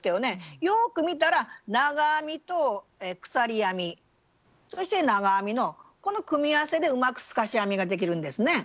よく見たら長編みと鎖編みそして長編みのこの組み合わせでうまく透かし編みができるんですね。